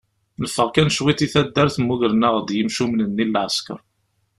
Neffeɣ kan cwiṭ i taddart mmugren-aɣ yimcumen-nni n lɛesker.